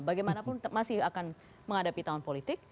bagaimanapun masih akan menghadapi tahun politik